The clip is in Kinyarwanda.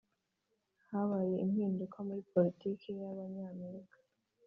[habaye impinduka muri politiki yabanyamerika.